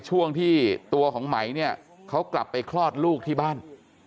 ช่วงที่ตัวของไหมเนี่ยเขากลับไปคลอดลูกที่บ้าน